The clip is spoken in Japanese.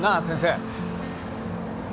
先生。